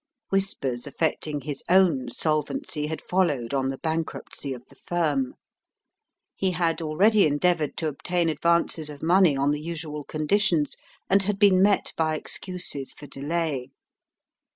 Whispers affecting his own solvency had followed on the bankruptcy of the firm. He had already endeavoured to obtain advances of money on the usual conditions, and had been met by excuses for delay.